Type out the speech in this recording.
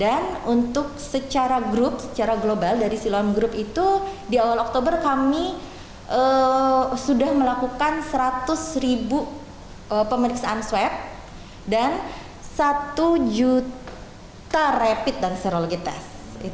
dan untuk secara grup secara global dari silom group itu di awal oktober kami sudah melakukan seratus ribu pemeriksaan swab dan satu juta rapid dan serologi tes